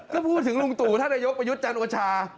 ก็พูดถึงลุงตู่ท่านนายกประยุทธ์จันทร์โอชา